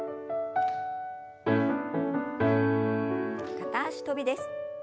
片脚跳びです。